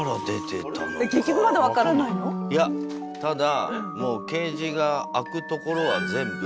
いやただもうケージが開く所は全部。